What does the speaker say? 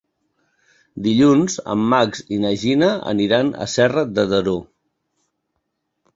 Dilluns en Max i na Gina aniran a Serra de Daró.